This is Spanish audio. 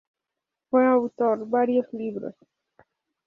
Fue autor varios libros.